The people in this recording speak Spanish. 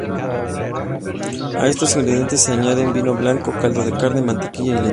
A estos ingredientes se añaden vino blanco, caldo de carne, mantequilla y leche.